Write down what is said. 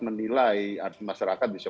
menilai arti masyarakat bisa